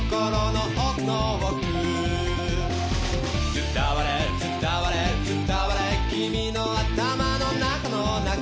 「伝われ伝われ伝われ君の頭の中の中」